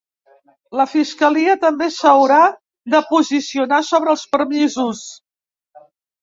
La fiscalia també s’haurà de posicionar sobre els permisos.